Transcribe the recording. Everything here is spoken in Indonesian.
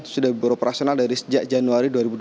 sudah beroperasional dari sejak januari